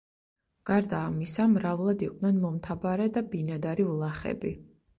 გარდა ამისა, მრავლად იყვნენ მომთაბარე და ბინადარი ვლახები.